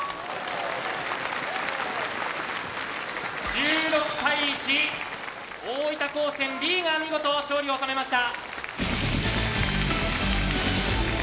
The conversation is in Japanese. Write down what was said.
１６対１大分高専Ｂが見事勝利を収めました。